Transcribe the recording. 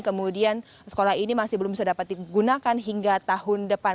kemudian sekolah ini masih belum bisa dapat digunakan hingga tahun depan